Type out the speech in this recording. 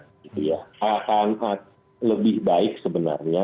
itu ya akan lebih baik sebenarnya